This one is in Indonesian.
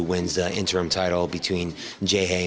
jadi kita ada pertempuran titel menang di manila